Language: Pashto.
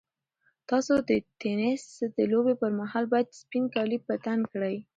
تاسو د تېنس د لوبې پر مهال باید سپین کالي په تن کړئ.